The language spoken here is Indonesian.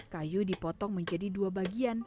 kayu dipotong menjadi dua bagian